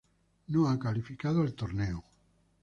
No ha calificado al torneo.